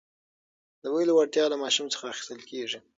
د ویلو وړتیا له ماشوم څخه اخیستل کېږي.